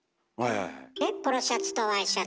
ポロシャツとワイシャツ。